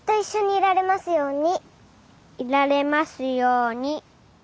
いられますように。